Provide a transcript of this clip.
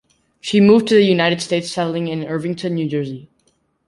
She moved to the United States, settling in Irvington, New Jersey.